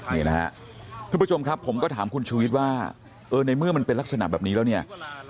ท่านผู้ชมครับผมก็ถามคุณชุวิตว่าในเมื่อมันเป็นลักษณะแบบนี้แล้วเนี่ย